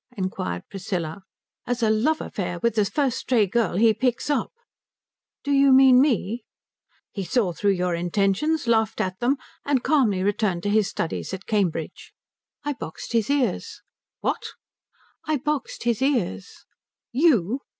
inquired Priscilla. "As a love affair with the first stray girl he picks up." "Do you mean me?" "He saw through your intentions, laughed at them, and calmly returned to his studies at Cambridge." "I boxed his ears." "What?" "I boxed his ears." "You?"